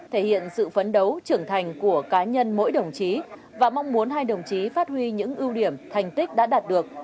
thể hiện sự phấn đấu trưởng thành của cá nhân mỗi đồng chí và mong muốn hai đồng chí phát huy những ưu điểm thành tích đã đạt được